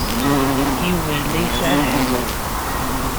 Yuba yella yesɛa lḥeqq.